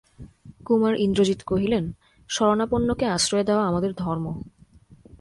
কুমার ইন্দ্রজিৎ কহিলেন, শরণাপন্নকে আশ্রয় দেওয়া আমাদের ধর্ম।